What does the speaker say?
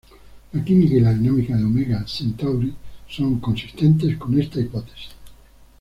La química y la dinámica de Omega Centauri son consistentes con esta hipótesis.